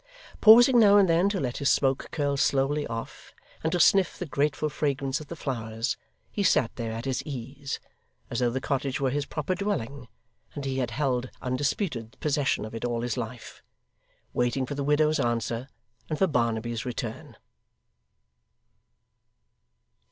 Pausing now and then to let his smoke curl slowly off, and to sniff the grateful fragrance of the flowers, he sat there at his ease as though the cottage were his proper dwelling, and he had held undisputed possession of it all his life waiting for the widow's answer and for Barnaby's return.